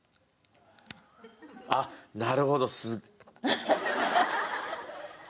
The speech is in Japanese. あっなるほど。